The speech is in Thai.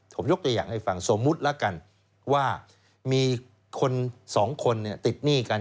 ผมยกตัวอย่างให้ฟังสมมุติแล้วกันว่ามีคนสองคนติดหนี้กัน